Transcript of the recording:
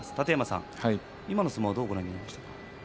今の相撲どうご覧なりました？